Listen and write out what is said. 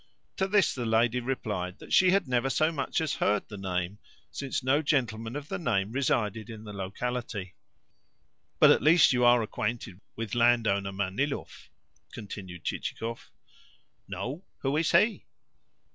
To this the lady replied that she had never so much as heard the name, since no gentleman of the name resided in the locality. "But at least you are acquainted with landowner Manilov?" continued Chichikov. "No. Who is he?"